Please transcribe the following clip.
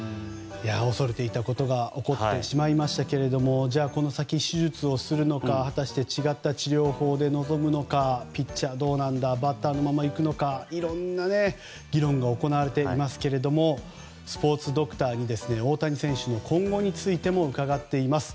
恐れていたことが起きてしまいましたがこの先、手術をするのか違った方法で臨むのかピッチャーどうなんだバッターのままいくのかいろんな議論がされていますがスポーツドクターに大谷選手の今後についても伺っています。